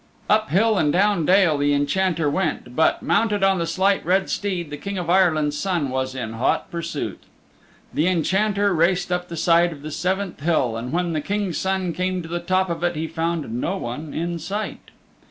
IV Up hill and down dale the Enchanter went, but, mounted on the Slight Red Steed, the King of Ireland's Son was in hot pursuit. The Enchanter raced up the side of the seventh hill, and when the King's Son came to the top of it he found no one in sight.